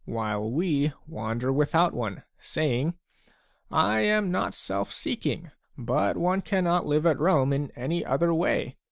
while we wander without one, saying :" I am not self seeking ; but one cannot live at Rome in any other way.